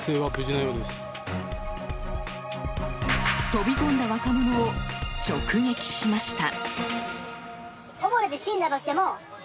飛び込んだ若者を直撃しました。